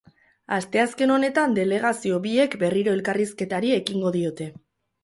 Asteazken honetan delegazio biek berriro elkarrizketari ekingo diote.